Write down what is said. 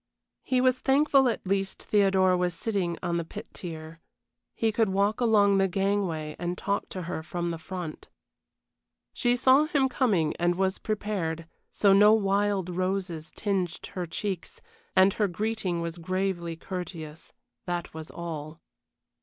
He was thankful at least Theodora was sitting on the pit tier he could walk along the gangway and talk to her from the front. She saw him coming and was prepared, so no wild roses tinged her cheeks, and her greeting was gravely courteous, that was all.